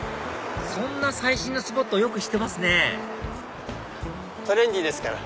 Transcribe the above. そんな最新のスポットよく知ってますねトレンディーですから。